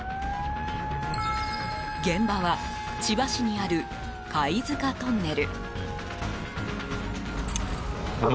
現場は、千葉市にある貝塚トンネル。